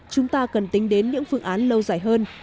chúng ta cần tính đến những phương án lâu dài hơn